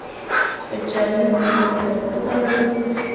کچالو خلکو ته برکت راولي